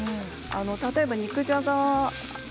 例えば肉じゃが。